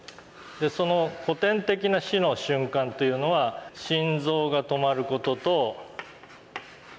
でその古典的な死の瞬間というのは心臓が止まる事と。